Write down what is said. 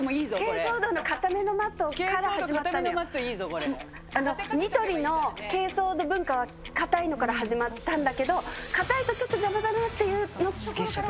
珪藻土、硬めのマット、ニトリの珪藻土文化は硬いのから始まったんだけど、硬いとちょっと邪魔だなっていうところから。